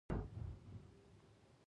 هماغومره په دنیوي چارو کې کامیابېږي.